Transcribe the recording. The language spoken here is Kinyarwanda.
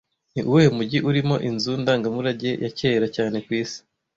Ni uwuhe mujyi urimo inzu ndangamurage ya kera cyane ku isi